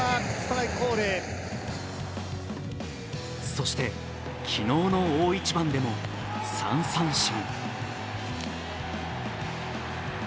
そして昨日の大一番でも３三振。